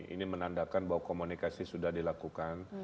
ini menandakan bahwa komunikasi sudah dilakukan